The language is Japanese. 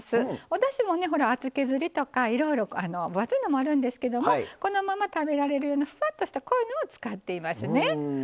おだしもねほら厚削りとかいろいろ分厚いのもあるんですけどもこのまま食べられるようなふわっとしたこういうのを使っていますね。